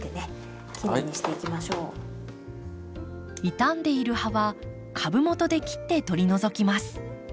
傷んでいる葉は株もとで切って取り除きます。